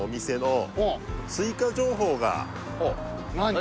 何？